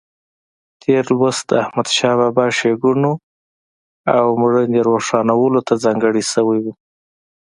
تېر لوست د احمدشاه بابا ښېګڼو او مړینې روښانولو ته ځانګړی شوی و.